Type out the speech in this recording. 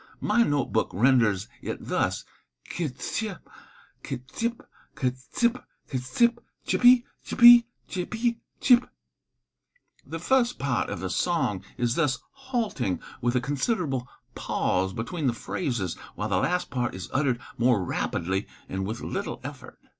My note book renders it thus: "K tsip, k tsip, k tsip, k tsip, chip ee, chip ee, chip ee, chip." The first part of the song is thus halting, with a considerable pause between the phrases, while the last part is uttered more rapidly and with little effort.